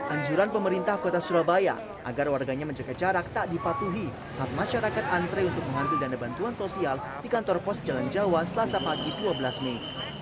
anjuran pemerintah kota surabaya agar warganya menjaga jarak tak dipatuhi saat masyarakat antre untuk mengambil dana bantuan sosial di kantor pos jalan jawa selasa pagi dua belas mei